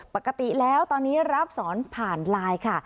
ปกติแล้วตอนนี้รับสอนผ่านไลน์ค่ะ